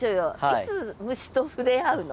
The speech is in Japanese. いつ虫と触れ合うの？